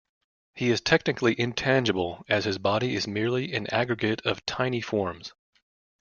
He is technically intangible, as his body is merely an aggregate of tiny forms.